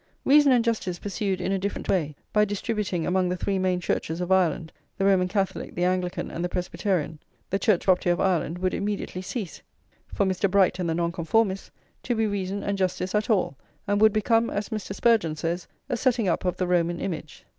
Reason and justice pursued in a different way, by distributing among the three main Churches of Ireland, the Roman Catholic, the Anglican, and the Presbyterian, the church property of Ireland, would immediately cease, for Mr. Bright and the Nonconformists, to be reason and justice at all, and would become, as Mr. Spurgeon says, "a setting up of the Roman image."